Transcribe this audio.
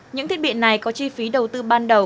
những thiết bị này có chi phí đầu tư ban đầu